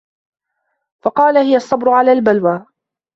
فَقَالَ هِيَ الصَّبْرُ عَلَى الْبَلْوَى